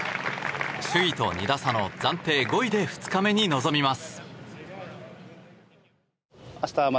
首位と２打差の暫定５位で２日目に臨みます。